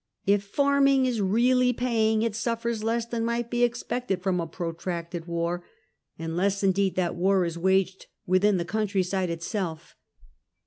If farming is really paying, it suffers less than might be expected from a protracted war, unless indeed that war is waged within the country side itself.